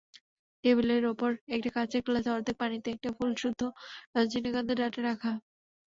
টেবিলের ওপর একটা কাচের গ্লাসে অর্ধেক পানিতে একটা ফুলসুদ্ধ রজনীগন্ধার ডাঁটা রাখা।